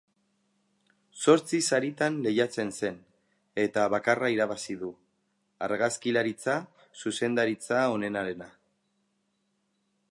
Zortzi saritan lehiatzen zen, eta bakarra irabazi du, argazkilaritza zuzendaritza onenarena.